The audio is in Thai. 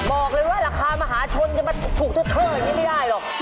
บอกเลยว่าราคามหาชนจะมาถูกท่อย่างนี้ไม่ได้หรอก